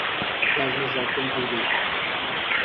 دا زموږ راتلونکی دی.